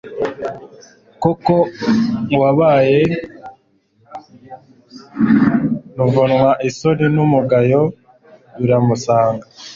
koko, uwabaye ruvumwa, isoni n'umugayo biramusanga